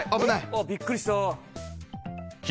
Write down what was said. あっびっくりした。